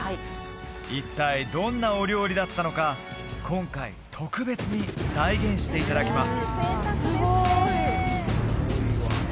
一体どんなお料理だったのか今回特別に再現していただきます